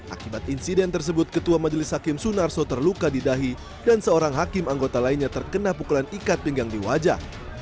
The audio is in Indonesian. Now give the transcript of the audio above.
akibat insiden tersebut ketua majelis hakim sunarso terluka di dahi dan seorang hakim anggota lainnya terkena pukulan ikat pinggang di wajah